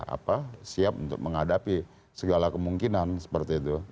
apa siap untuk menghadapi segala kemungkinan seperti itu